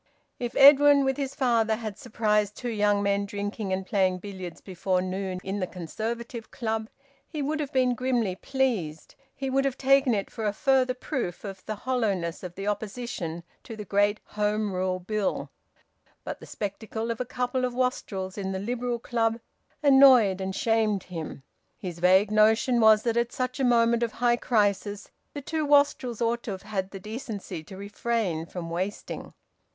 If Edwin with his father had surprised two young men drinking and playing billiards before noon in the Conservative Club, he would have been grimly pleased. He would have taken it for a further proof of the hollowness of the opposition to the great Home Rule Bill; but the spectacle of a couple of wastrels in the Liberal Club annoyed and shamed him. His vague notion was that at such a moment of high crisis the two wastrels ought to have had the decency to refrain from wasting.